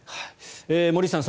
森内さん